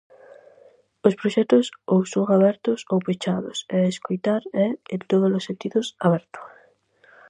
Os proxectos ou son abertos ou pechados e Escoitar é, en tódolos sentidos, aberto.